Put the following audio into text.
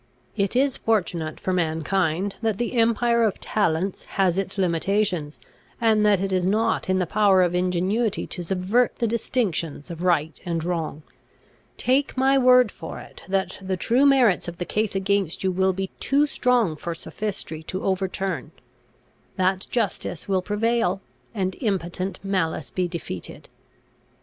It is fortunate for mankind that the empire of talents has its limitations, and that it is not in the power of ingenuity to subvert the distinctions of right and wrong. Take my word for it, that the true merits of the case against you will be too strong for sophistry to overturn; that justice will prevail, and impotent malice be defeated.